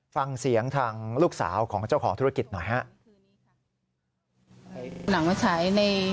ฟังเสียงทางลูกสาวของเจ้าของธุรกิจหน่อยฮะ